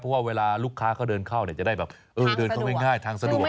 เพราะว่าเวลาลูกค้าเขาเดินเข้าจะได้แบบเดินเข้าง่ายทางสะดวก